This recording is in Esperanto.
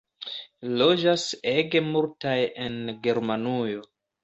Loĝas ege multaj en Germanujo.